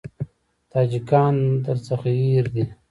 تاجکان درڅخه هېر دي.